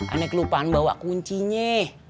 aneh kelupaan bawa kuncinye